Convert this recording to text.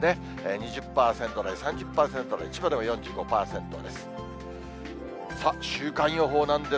２０％台、３０％台、千葉では４５％です。